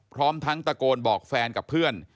พร้อมทั้งตะโกนบอกแฟนกับเพื่อน